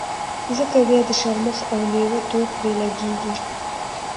ځکه بيا د شرمښ او لېوه تور پرې لګېږي.